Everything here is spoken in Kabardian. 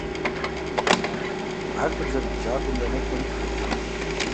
Ахэр зэрыгузавэр я нэгу кърихырт.